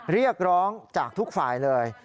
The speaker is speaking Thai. เรียกร้องจากทุกฝ่ายเลย